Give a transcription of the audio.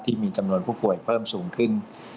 ที่มีจำนวนผู้ป่วยเพิ่มสูงขึ้น